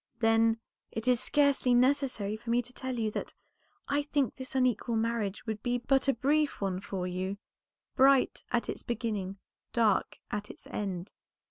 "Then, it is scarcely necessary for me to tell you that I think this unequal marriage would be but a brief one for you; bright at its beginning, dark at its end.